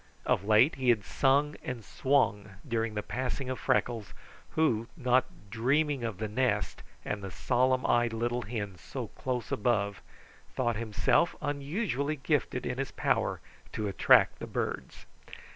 Of late he had sung and swung during the passing of Freckles, who, not dreaming of the nest and the solemn eyed little hen so close above, thought himself unusually gifted in his power to attract the birds.